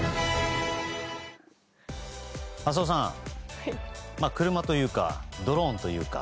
浅尾さん、車というかドローンというか。